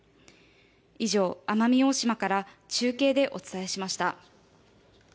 以上、奄美大島から中継でお伝えしました。